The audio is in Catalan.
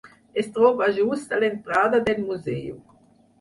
Es troba just a l'entrada del museu.